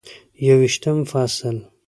یوویشتم فصل: